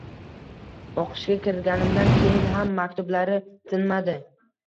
O`qishga kirganimdan keyin ham maktublari tinmadi